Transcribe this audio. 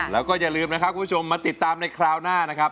แล้วก็อย่าลืมนะครับคุณผู้ชมมาติดตามในคราวหน้านะครับ